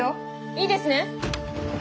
いいですね？